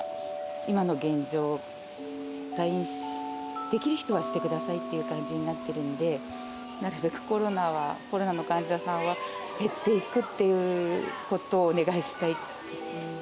今の現状、退院できる人はしてくださいっていう感じになってるので、なるべくコロナは、コロナの患者さんは減っていくっていうことをお願いしたい。